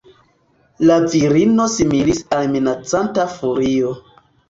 La virino similis al minacanta furio.